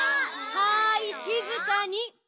はいしずかに。